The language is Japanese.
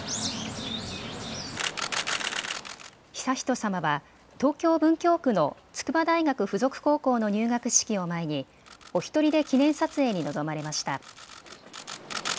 悠仁さまは東京文京区の筑波大学附属高校の入学式を前におひとりで記念撮影に臨まれました。